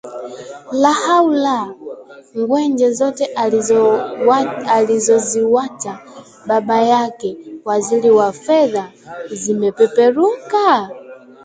Lahaula! Ngwenje zote alizoziwacha baba yake, waziri wa Fedha! Zimepeperuka?